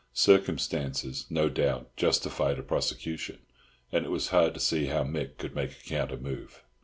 Circumstances, no doubt, justified a prosecution, and it was hard to see bow Mick could make a counter move.